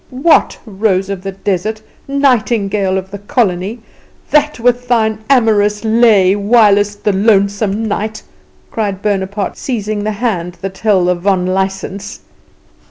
"What, rose of the desert, nightingale of the colony, that with thine amorous lay whilest the lonesome night!" cried Bonaparte, seizing the hand that held the vonlicsense.